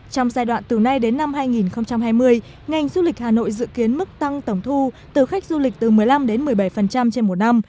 trong giai đoạn từ nay đến năm hai nghìn hai mươi ngành du lịch hà nội dự kiến mức tăng tổng thu từ khách du lịch từ một mươi năm một mươi bảy trên một năm